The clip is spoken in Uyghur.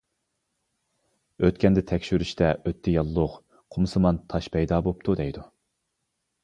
ئۆتكەندە تەكشۈرتۈشتە ئۆتتە ياللۇغ، قۇمسىمان تاش پەيدا بوپتۇ دەيدۇ.